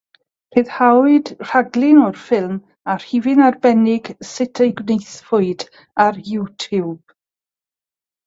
Rhyddhawyd rhaglun o'r ffilm a rhifyn arbennig “sut y'i gwnaethpwyd” ar YouTube.